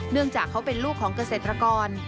เนื่องจากเขาเป็นลูกของเกษตรกร